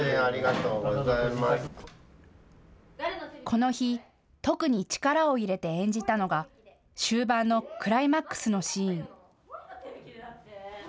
この日、特に力を入れて演じたのが終盤のクライマックスのシーン。